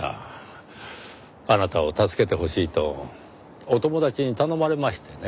あなたを助けてほしいとお友達に頼まれましてね。